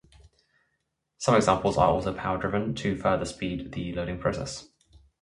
Some examples are also power-driven, to further speed the loading process.